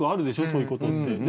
そういうことって。